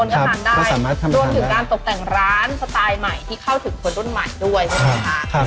กลับเปลี่ยนมุมมองพฤติกรรมของคน